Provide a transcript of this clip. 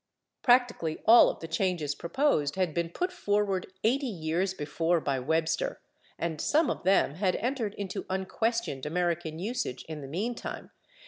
Practically all of the changes proposed had been put forward 80 years before by Webster, and some of them had entered into unquestioned American usage in the meantime, /e.